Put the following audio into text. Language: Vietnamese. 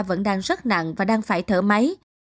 vẫn đang rất nặng và đang phải thở máy